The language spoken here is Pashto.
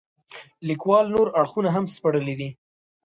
لیکوال نور اړخونه هم سپړلي دي.